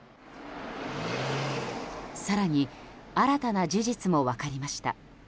更に新たな事実も分かりました。